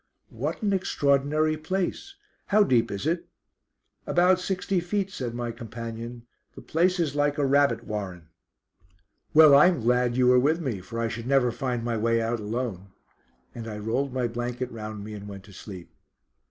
"What an extraordinary place; how deep is it?" "About sixty feet," said my companion. "The place is like a rabbit warren." "Well, I'm glad you are with me, for I should never find my way out alone." And I rolled my blanket round me and went to sleep.